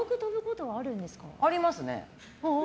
ありますね。